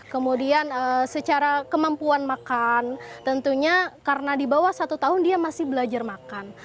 kemudian secara kemampuan makan tentunya karena di bawah satu tahun dia masih belajar makan